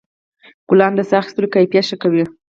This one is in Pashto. ګلان د ساه اخیستلو کیفیت ښه کوي.